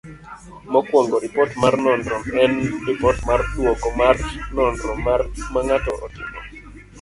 Mokuongo, ripot mar nonro en ripot mar duoko mar nonro ma ng'ato otimo.